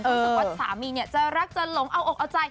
สำหรับสามีจะรักจะหลงเอาอกเอาใจ